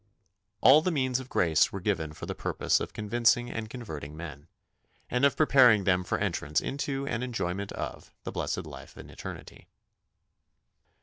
All the means of grace were given for the purpose of convincing and converting men, and of preparing them for entrance into and enjoyment of the blessed life in eternity.